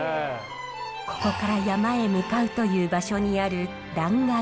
ここから山へ向かうという場所にある断崖の難所。